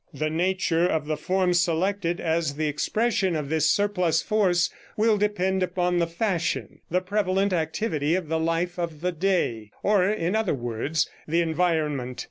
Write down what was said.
The nature of the form selected as the expression of this surplus force will depend upon the fashion, the prevalent activity of the life of the day, or, in other words, the environment.